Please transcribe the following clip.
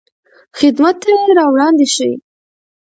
خدمت ته یې راوړاندې شئ.